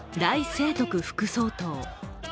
清徳副総統。